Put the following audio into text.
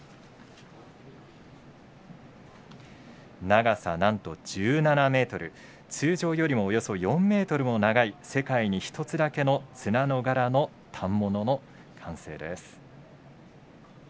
長さ、なんと１７ｍ通常よりも、およそ４ｍも長い世界に１つだけの綱の柄の反物の完成です。